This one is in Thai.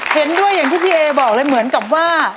เห็นด้วยอย่างที่พี่เอบอกเลยเหมือนกับว่า